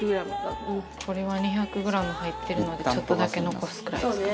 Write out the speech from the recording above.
これは２００グラム入ってるのでちょっとだけ残すくらいですかね。